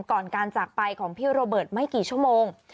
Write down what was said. ก่อนการจากไปของพี่โรเบิร์ตไม่กี่ชั่วโมง